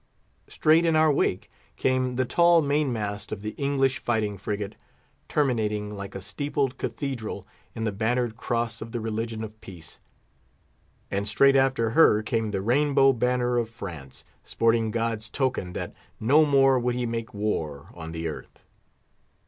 Straight in our wake came the tall main mast of the English fighting frigate, terminating, like a steepled cathedral, in the bannered cross of the religion of peace; and straight after her came the rainbow banner of France, sporting God's token that no more would he make war on the earth.